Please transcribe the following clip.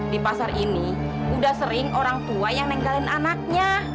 di pasar ini udah sering orang tua yang nenggalin anaknya